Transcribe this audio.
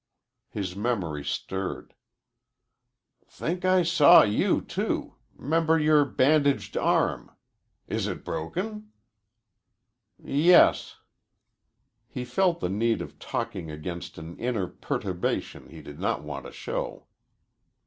His memory stirred. "Think I saw you, too. 'Member your bandaged arm. Is it broken?" "Yes." He felt the need of talking against an inner perturbation he did not want to show.